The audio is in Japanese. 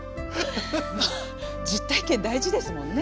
まあ実体験大事ですもんね。